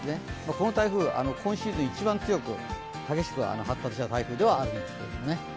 この台風、今シーズン一番強く激しく、発達した台風ではあるんですけどね。